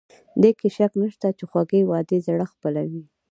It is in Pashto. دې کې شک نشته چې خوږې وعدې زړه خپلوي.